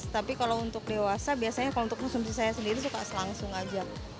tapi kalau untuk dewasa biasanya kalau untuk konsumsi saya sendiri suka selangsung aja